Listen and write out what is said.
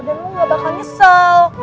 dan lo nggak bakal nyesel